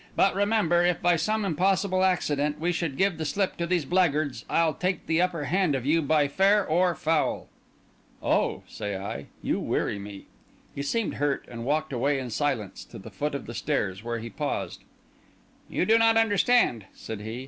But, remember, if, by some impossible accident, we should give the slip to these blackguards, I'll take the upper hand of you by fair or foul." "Oh," said I, "you weary me!" He seemed hurt, and walked away in silence to the foot of the stairs, where he paused. "You do not understand," said he.